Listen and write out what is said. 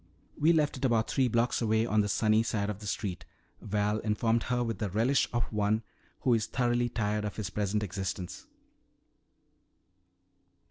"We left it about three blocks away on the sunny side of the street," Val informed her with the relish of one who is thoroughly tired of his present existence.